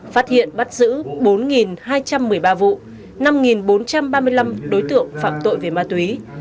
phát hiện bắt giữ bốn hai trăm một mươi ba vụ năm bốn trăm ba mươi năm đối tượng phạm tội về ma túy